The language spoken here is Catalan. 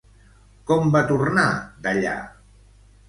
Com va tornar d'allà?